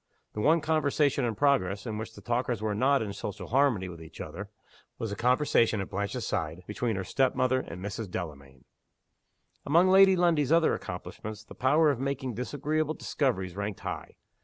The one conversation in progress, in which the talkers were not in social harmony with each other, was the conversation at Blanche's side, between her step mother and Mrs. Delamayn. Among Lady Lundie's other accomplishments the power of making disagreeable discoveries ranked high.